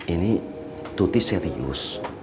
ini tuti serius